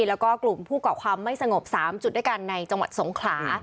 แล้วก็กลุ่มผู้เกาะความไม่สงบ๓จุดด้วยกันในจังหวัดสงขลา